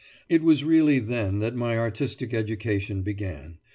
It was really then that my artistic education began.